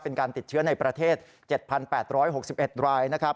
เป็นการติดเชื้อในประเทศ๗๘๖๑รายนะครับ